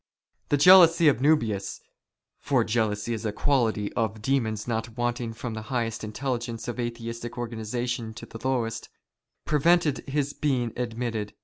The jealousy of JSIuhius — for jealousy is a quality of demons not wanting fi^om the highest intelligences in Atheistic organization to the lowest — prevented his being admitted.